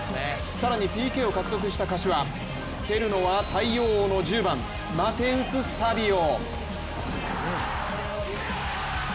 更にＰＫを獲得した柏蹴るのは太陽王の１０番、マテウス・サヴィオ。